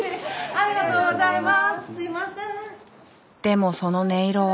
ありがとうございます。